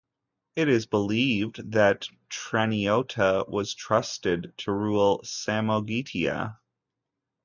It is believed that Treniota was trusted to rule Samogitia.